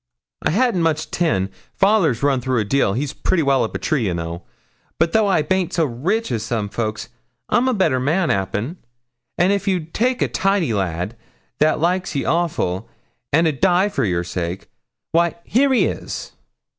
I ha'n't much tin father's run through a deal, he's pretty well up a tree, ye know; but though I baint so rich as some folk, I'm a better man, 'appen; and if ye'd take a tidy lad, that likes ye awful, and 'id die for your sake, why here he is.'